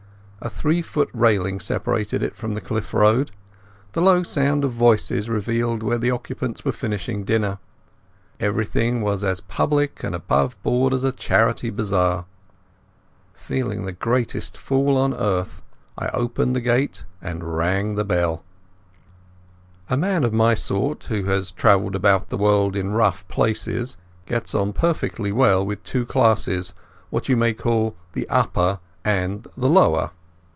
A three foot railing separated it from the cliff road; the windows on the ground floor were all open, and shaded lights and the low sound of voices revealed where the occupants were finishing dinner. Everything was as public and above board as a charity bazaar. Feeling the greatest fool on earth, I opened the gate and rang the bell. A man of my sort, who has travelled about the world in rough places, gets on perfectly well with two classes, what you may call the upper and the lower.